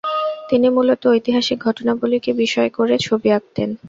তিনি মূলত ঐতিহাসিক ঘটনাবলীকে বিষয় করে ছবি আঁকতেন।